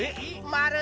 まる。